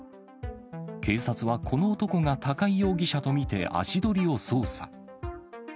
警察はこの男が高井容疑者と見て、足取りを捜査。